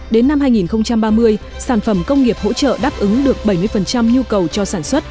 đến năm hai nghìn ba mươi sản phẩm công nghiệp hỗ trợ đáp ứng được bảy mươi nhu cầu cho sản xuất